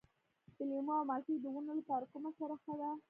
د لیمو او مالټې د ونو لپاره کومه سره ښه ده؟